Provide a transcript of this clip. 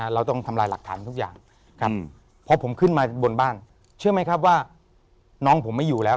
เราต้องทำลายหลักฐานทุกอย่างครับพอผมขึ้นมาบนบ้านเชื่อไหมครับว่าน้องผมไม่อยู่แล้ว